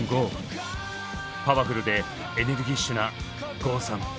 パワフルでエネルギッシュな郷さん